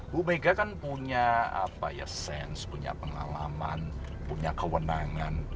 bu mega kan punya sense punya pengalaman punya kewenangan